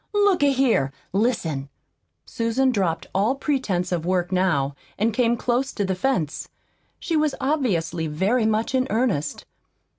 Look a here, listen!" Susan dropped all pretense of work now, and came close to the fence. She was obviously very much in earnest.